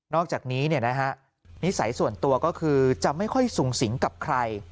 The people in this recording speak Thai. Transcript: อกจากนี้นิสัยส่วนตัวก็คือจะไม่ค่อยสูงสิงกับใคร